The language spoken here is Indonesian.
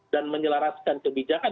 dan menyelaraskan kebijakan